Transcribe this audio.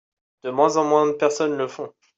De moins en moins de personnes le font.